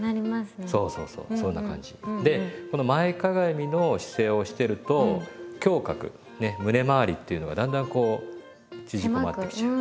そうそうそうそんな感じ。で前かがみの姿勢をしてると胸郭ね胸まわりっていうのがだんだんこう縮こまってきちゃう。